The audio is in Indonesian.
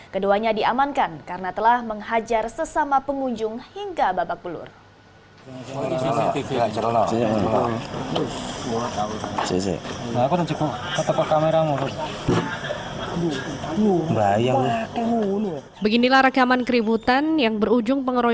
keduanya diamankan karena telah menghajar sesama pengunjung hingga babak belur